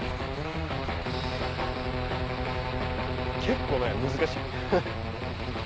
結構ね難しいフフ。